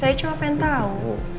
saya coba yang tahu